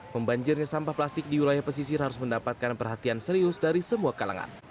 membanjirnya sampah plastik di wilayah pesisir harus mendapatkan perhatian serius dari semua kalangan